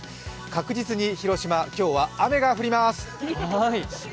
確実に広島、今日は雨が降ります。